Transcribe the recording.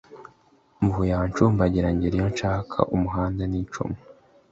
Mvuye aha nshumbagira ngera iyo nshaka-Umuhunda n'icumu.